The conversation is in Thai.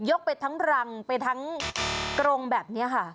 ไปทั้งรังไปทั้งกรงแบบนี้ค่ะ